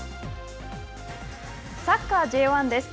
サッカーＪ１です。